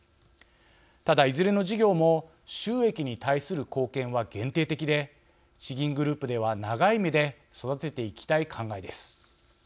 ただいずれの事業も収益に対する貢献は限定的で地銀グループでは長い目で育てていきたい考えです。